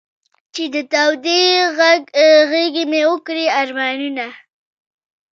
چې د تودې غېږې مې و کړې ارمانونه.